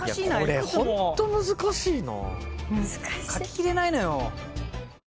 これホント難しいな。